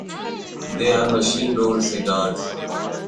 They are machine-rolled cigars.